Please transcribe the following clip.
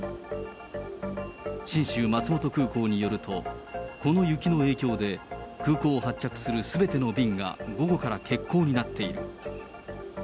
信州まつもと空港によると、この雪の影響で、空港を発着するすべての便が午後から欠航になっている。